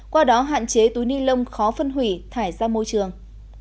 qua đó hạn chế túi ni lông khó phân hủy thải ra môi trường